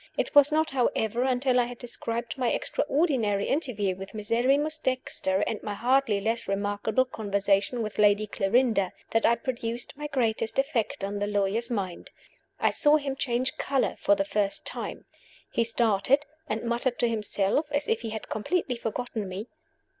It was not, however, until I had described my extraordinary interview with Miserrimus Dexter, and my hardly less remarkable conversation with Lady Clarinda, that I produced my greatest effect on the lawyer's mind. I saw him change color for the first time. He started, and muttered to himself, as if he had completely forgotten me.